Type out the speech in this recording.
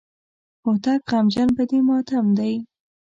هوتک غمجن په دې ماتم دی.